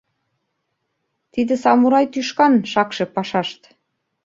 — Тиде самурай тӱшкан шакше пашашт...